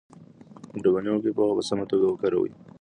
مهرباني وکړئ پوهه په سمه توګه وکاروئ.